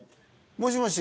もしもし？